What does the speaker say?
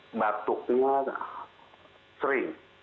dan batuknya sering